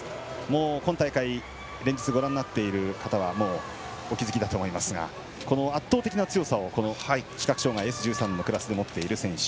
今大会、連日ご覧になっている方はお気づきだと思いますが圧倒的な強さをこの視覚障がいＳ１３のクラスで持っている選手。